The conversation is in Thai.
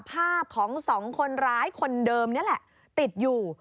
ภาพของสองคนร้ายคนเดิมนี่แหละติดอยู่